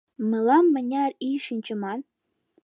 — Мылам мыняр ий шинчыман?